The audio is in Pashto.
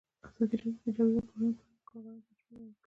ازادي راډیو د د جګړې راپورونه په اړه د کارګرانو تجربې بیان کړي.